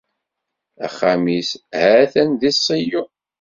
Axxam-is ha-t-an di Ṣiyun.